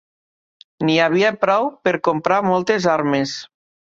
N'hi havia prou per comprar moltes armes.